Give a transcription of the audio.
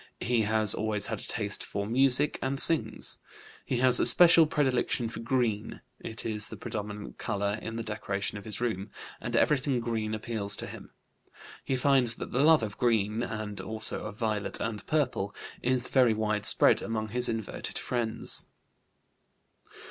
He has always had a taste for music, and sings. He has a special predilection for green; it is the predominant color in the decoration of his room, and everything green appeals to him. He finds that the love of green (and also of violet and purple) is very widespread among his inverted friends.